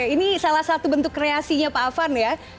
ini salah satu bentuk kreasinya pak afan ya